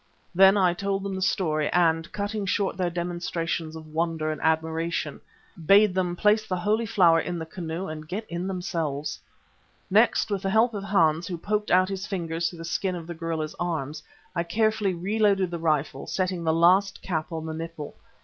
Then I told them the story, and cutting short their demonstrations of wonder and admiration, bade them place the Holy Flower in the canoe and get in themselves. Next with the help of Hans who poked out his fingers through the skin of the gorilla's arms, I carefully re loaded the rifle, setting the last cap on the nipple.